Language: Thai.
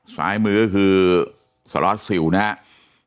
ซ้ายมือคือสล็อตสิวนะครับ